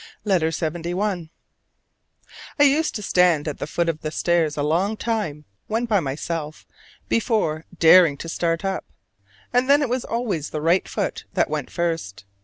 LETTER LXXI. I used to stand at the foot of the stairs a long time, when by myself, before daring to start up: and then it was always the right foot that went first.